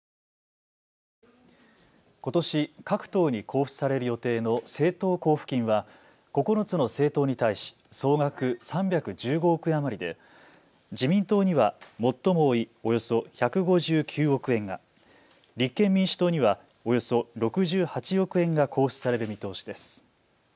ことし各党に交付される予定の政党交付金は９つの政党に対し総額３１５億円余りで自民党には最も多いおよそ１５９億円が、立憲民主党にはおよそ６８億円が交付される見通しです。